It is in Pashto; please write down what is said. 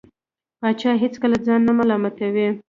پاچا هېڅکله ځان نه ملامتوي .